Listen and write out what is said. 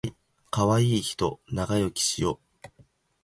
かわいいひと長生きしよ